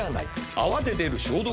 「泡で出る消毒液」は。